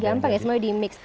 gampang ya semua di mix